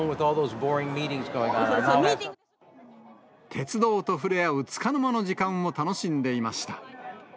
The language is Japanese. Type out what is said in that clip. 鉄道と触れ合うつかの間の時間を楽しんでいました。